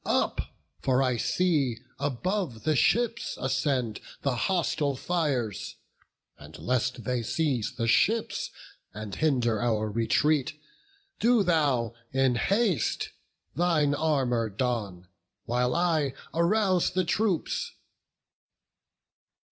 Up, for I see above the ships ascend The hostile fires; and lest they seize the ships, And hinder our retreat, do thou in haste Thine armour don, while I arouse the troops."